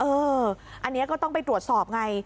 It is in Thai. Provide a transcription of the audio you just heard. อันนี้ก็ต้องไปตรวจสอบไง